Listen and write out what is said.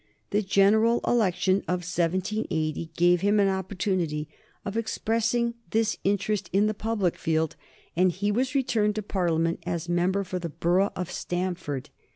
The general election of 1780 gave him an opportunity of expressing this interest in the public field, and he was returned to Parliament as member for the borough of Stamford.